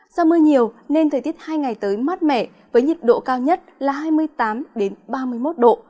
do mưa nhiều nên thời tiết hai ngày tới mát mẻ với nhiệt độ cao nhất là hai mươi tám ba mươi một độ